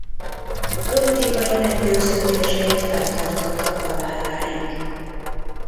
Politikai meggyőződését fenntartotta haláláig.